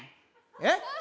えっ？